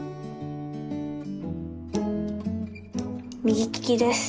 右利きです。